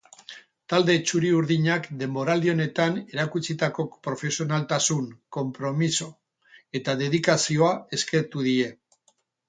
Talde txuri-urdinak denboraldi honetan erakutsitako profesionaltasun, konpromiso eta dedikazioa eskertu die.